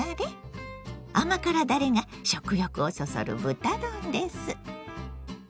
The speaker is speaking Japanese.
甘辛だれが食欲をそそる豚丼です。